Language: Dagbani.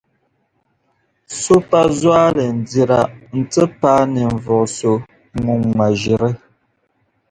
So pa zualindira n-ti paai ninvuɣu so ŋun ŋma ʒiri.